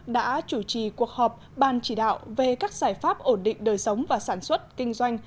đã chủ trì cuộc họp ban chỉ đạo về các giải pháp ổn định đời sống và sản xuất kinh doanh